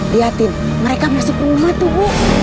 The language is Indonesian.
liatin mereka masih pulang tuh bu